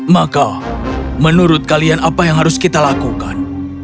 maka menurut kalian apa yang harus kita lakukan